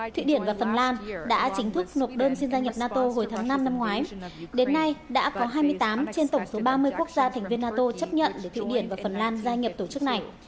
thụy điển và phần lan đã chính thức nộp đơn xin gia nhập nato hồi tháng năm năm ngoái đến nay đã có hai mươi tám trên tổng số ba mươi quốc gia thành viên nato chấp nhận để thụy điển và phần lan gia nhập tổ chức này